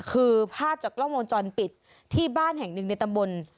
คือภาพจากกล้องวงจรปิดที่บ้านแห่งหนึ่งในตำบล